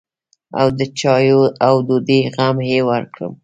او د چايو او ډوډۍ غم يې وکړم.